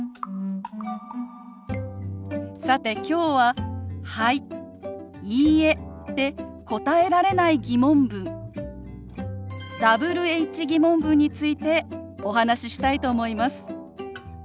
さてきょうは「はい」「いいえ」で答えられない疑問文Ｗｈ−疑問文についてお話ししたいと思います。